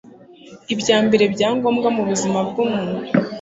ibya mbere bya ngombwa mu buzima bw'umuntu